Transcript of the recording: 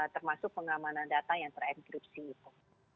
termasuk pengamanan data yang terenkripsi itu